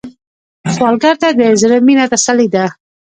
سوالګر ته د زړه مينه تسلي ده